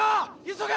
急げ！